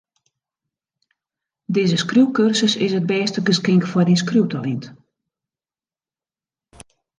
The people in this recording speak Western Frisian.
Dizze skriuwkursus is it bêste geskink foar dyn skriuwtalint.